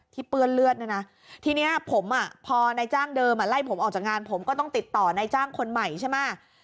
เปื้อนเลือดเนี่ยนะทีนี้ผมพอนายจ้างเดิมไล่ผมออกจากงานผมก็ต้องติดต่อนายจ้างคนใหม่ใช่ไหม